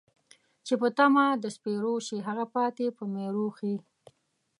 چې په تمه د سپرو شي ، هغه پاتې په میرو ښی